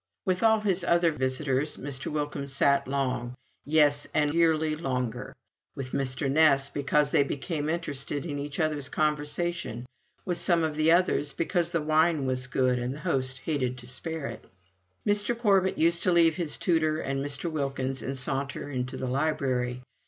With all his other visitors, Mr. Wilkins sat long yes, and yearly longer; with Mr. Ness, because they became interested in each other's conversation; with some of the others, because the wine was good, and the host hated to spare it. Mr. Corbet used to leave his tutor and Mr. Wilkins and saunter into the library.